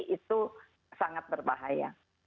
itu sangat berbahaya